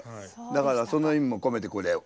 だからその意味も込めてこれを。